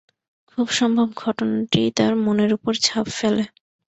খুব সম্ভব ঘটনাটি তার মনের ওপর ছাপ ফেলে।